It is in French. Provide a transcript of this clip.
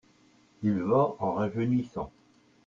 il va en rajeunissant.